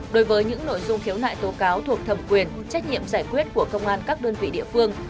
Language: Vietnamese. đối với những nội dung khiếu nại tố cáo thuộc thẩm quyền trách nhiệm giải quyết của công an các đơn vị địa phương